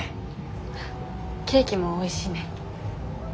ケーキもおいしいね。